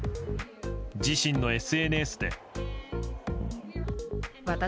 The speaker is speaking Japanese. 自身のＳＮＳで。